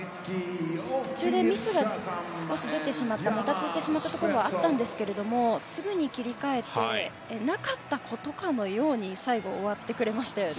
途中でミスが少し出てしまってもたついてしまったところはあったんですけれどもすぐに切り替えてなかったことかのように最後、終わってくれましたよね。